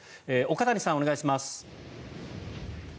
岡谷さん、お願いします。